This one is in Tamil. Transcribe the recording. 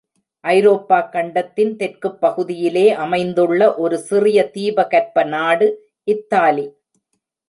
ஐரோப்பா கண்டத்தின் தெற்குப் பகுதியிலே அமைந்துள்ள ஒரு சிறிய தீபகற்ப நாடு இத்தாலி.